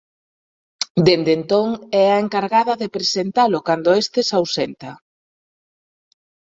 Desde entón é a encargada de presentalo cando este se ausenta.